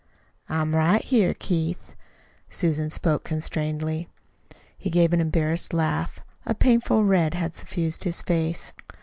"I'm right here, Keith." Susan spoke constrainedly. He gave an embarrassed laugh. A painful red had suffused his face.